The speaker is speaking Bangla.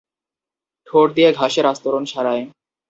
ঠোঁট দিয় ঘাসের আস্তরণ সারায়।